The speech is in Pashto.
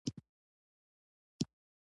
د برج کوټه به يې په خپله جارو کوله.